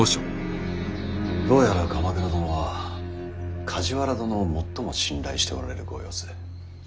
どうやら鎌倉殿は梶原殿を最も信頼しておられるご様子。